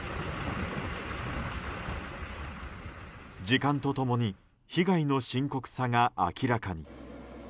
時間と共に被害の深刻さが明らかに。